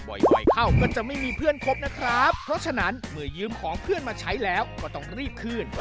บ่อยเข้าก็จะไม่มีเพื่อนครบนะครับเพราะฉะนั้นเมื่อยืมของเพื่อนมาใช้แล้วก็ต้องรีบคืน